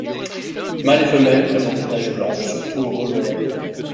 Mâle et femelle présentent des taches blanches surtout au revers.